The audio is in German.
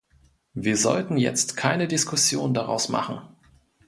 Wir sollten jetzt keine Diskussion daraus machen.